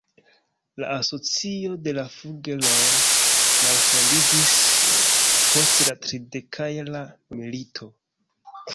La asocio de la Fugger-oj malfondiĝis post la tridekjara milito.